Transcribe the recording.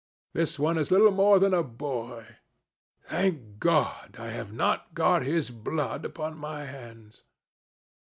This one is little more than a boy. Thank God, I have not got his blood upon my hands."